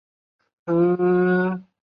花期为春夏季。